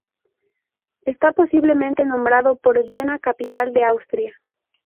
Está posiblemente nombrado por Viena, capital de Austria.